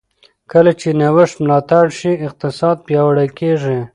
کله چې نوښت ملاتړ شي، اقتصاد پیاوړی کېږي.